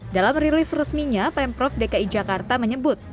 dalam rilis resminya prem prof dki jakarta menyebut